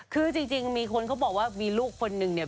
คือจริงมีคนเขาบอกว่ามีลูกคนนึงเนี่ย